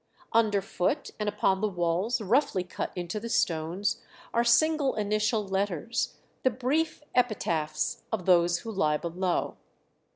Underfoot and upon the walls roughly cut into the stones, are single initial letters, the brief epitaphs of those who lie below.